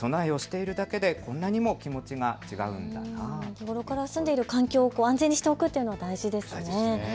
日頃から住んでいる環境を安全にしておくというのは大事ですよね。